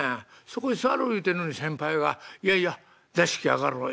そこへ座ろう言うてんのに先輩が『いやいや座敷上がろう。